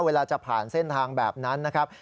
เวลาจะผ่านเส้นทางแบบนั้นนะครับ